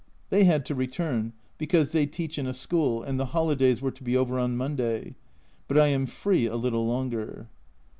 They had to return, because they teach in a school, and the holidays were to be over on Monday but I am free a little longer.